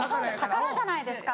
宝じゃないですか！